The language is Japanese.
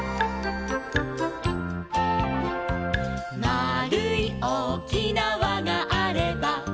「まあるいおおきなわがあれば」